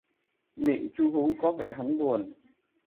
Miệng chu hú, có vẻ buồn